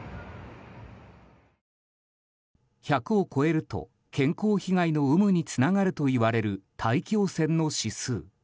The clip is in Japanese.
１００を超えると健康被害の有無につながるといわれる大気汚染の指数。